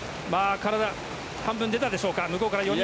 体半分出たでしょうか。